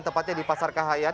tepatnya di pasar kahayan